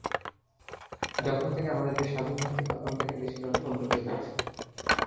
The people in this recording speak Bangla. যখন থেকে আমাদের দেশ স্বাধীন হয়েছে তখন থেকে দেশের অনেক উন্নতি হয়েছে।